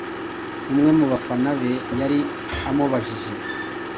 umwe mu bafana be yari amubajije